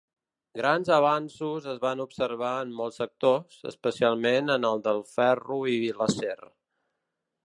Grans avanços es van observar en molts sectors, especialment en el del ferro i l'acer.